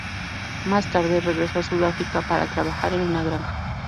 Más tarde, regresó a Sudáfrica para trabajar en una granja.